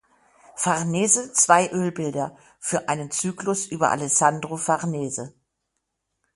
Farnese zwei Ölbilder für einen Zyklus über Alessandro Farnese.